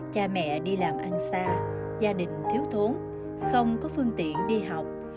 cha mẹ đi làm ăn xa gia đình thiếu thốn không có phương tiện đi học